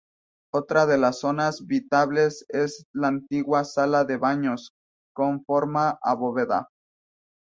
Otra de las zonas visitables es la antigua sala de baños, con forma abovedada.